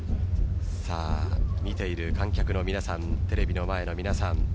見ている観客の皆さんテレビの前の皆さん